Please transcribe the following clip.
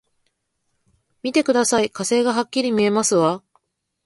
見てください、火星がはっきり見えますわ！